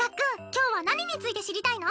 今日は何について知りたいの？